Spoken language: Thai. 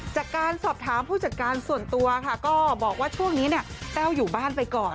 จากการสอบถามผู้จัดการส่วนตัวค่ะก็บอกว่าช่วงนี้เนี่ยแต้วอยู่บ้านไปก่อน